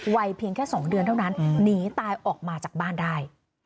วัยเพียงแค่๒เดือนเท่านั้นหนีตายออกมาจากบ้านได้